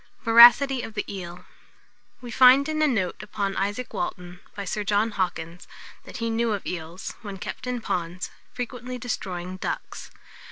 VORACITY OF THE EEL. We find in a note upon Isaac Walton, by Sir John Hawkins, that he knew of eels, when kept in ponds, frequently destroying ducks.